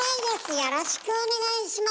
よろしくお願いします。